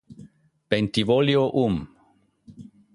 Bentivoglio um.